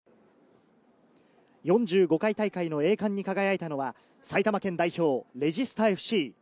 ４５回大会の栄冠に輝いたのは埼玉県代表、レジスタＦＣ。